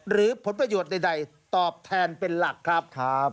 หรือผลประโยชน์ใดตอบแทนเป็นหลักครับ